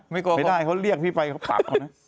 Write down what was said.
บ้านเรียกที่อะไร